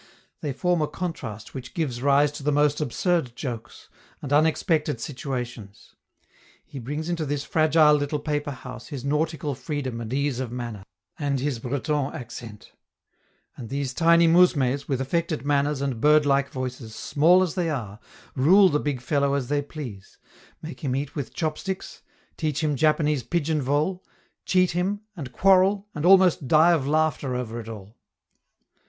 They form a contrast which gives rise to the most absurd jokes, and unexpected situations. He brings into this fragile little paper house his nautical freedom and ease of manner, and his Breton accent; and these tiny mousmes, with affected manners and bird like voices, small as they are, rule the big fellow as they please; make him eat with chop sticks; teach him Japanese pigeon vole, cheat him, and quarrel, and almost die of laughter over it all.